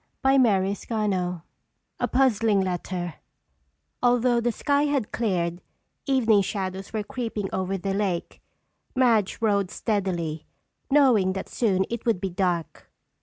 CHAPTER III A Puzzling Letter Although the sky had cleared, evening shadows were creeping over the lake. Madge rowed steadily, knowing that soon it would be dark.